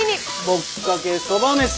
ぼっかけそばめし！